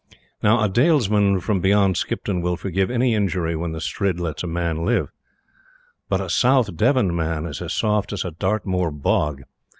Now, a Dalesman from beyond Skipton will forgive an injury when the Strid lets a man live; but a South Devon man is as soft as a Dartmoor bog.